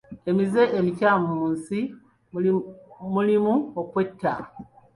Emize emikyamu mu nsi mulimu okwetta.